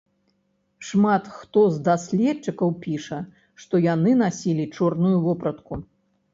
Шмат хто з даследчыкаў піша, што яны насілі чорную вопратку.